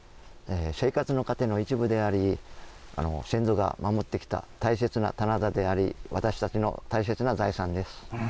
生活の糧の一部であり、先祖が守ってきた大切な棚田であり、私たちの大切な財産です。